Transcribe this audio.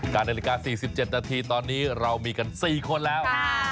นาฬิกา๔๗นาทีตอนนี้เรามีกัน๔คนแล้ว